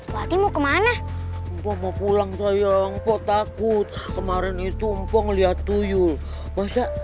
latihmu kemana mau pulang sayang pot takut kemarin itu mpoh ngelihat tuyul bahasa